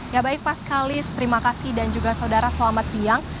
ya baik pak sekali terima kasih dan juga saudara selamat siang